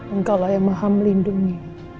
engkau lah yang maham lindungi